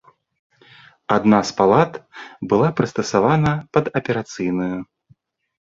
Адна з палат была прыстасавана пад аперацыйную.